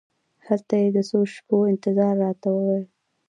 هلته یې د څو شېبو انتظار راته وویل.